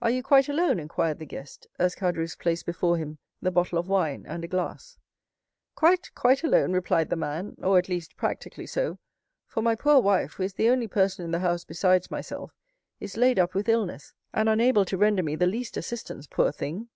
"Are you quite alone?" inquired the guest, as Caderousse placed before him the bottle of wine and a glass. "Quite, quite alone," replied the man—"or, at least, practically so, for my poor wife, who is the only person in the house besides myself, is laid up with illness, and unable to render me the least assistance, poor thing!"